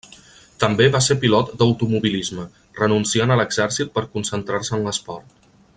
També va ser pilot d'automobilisme, renunciant a l'exèrcit per concentrar-se en l'esport.